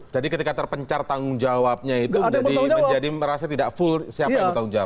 jadi ketika terpencar tanggung jawabnya itu menjadi merasa tidak full siapa yang bertanggung jawab